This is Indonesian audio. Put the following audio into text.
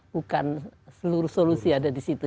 bukan seluruh solusi ada di situ